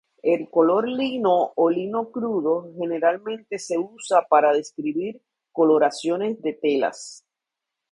El color lino o lino crudo generalmente se usa para describir coloraciones de telas.